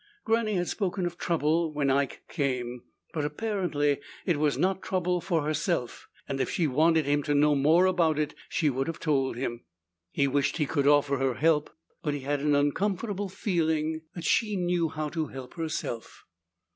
Granny had spoken of trouble when Ike came, but apparently it was not trouble for herself, and if she wanted him to know more about it she would have told him. He wished he could offer her help, but he had an uncomfortable feeling that she knew how to help herself.